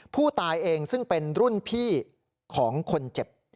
ผู้ตายเองซึ่งเป็นรุ่นพี่ของคนเจ็บ